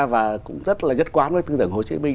và cũng rất là nhất quán với tư tưởng hồ chí minh